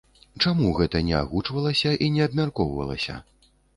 Чаму гэта не агучвалася і не абмяркоўвалася?